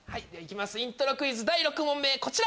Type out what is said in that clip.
イントロクイズ第６問こちら！